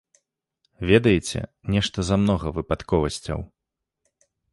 Ведаеце, нешта замнога выпадковасцяў.